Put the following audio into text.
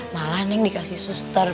malahan neng dikasih seseorang